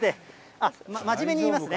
あっ、真面目に言いますね。